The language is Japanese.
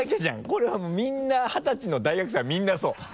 これはみんな二十歳の大学生はみんなそう。